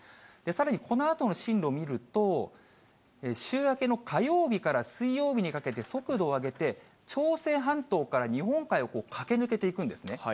さらに、このあとの進路を見ると、週明けの火曜日から水曜日にかけて、速度を上げて、朝鮮半島から日本海を駆け抜けていくんですね。